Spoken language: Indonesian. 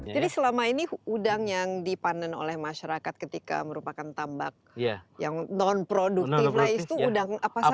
jadi selama ini udang yang dipanden oleh masyarakat ketika merupakan tambak yang non produktif itu udang apa saja